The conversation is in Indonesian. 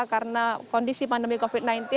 karena kondisi pandemi covid sembilan belas